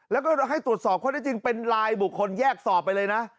แล้วก็ให้ตรวจสอบข้อได้จริงเป็นลายบุคคลแยกสอบไปเลยนะ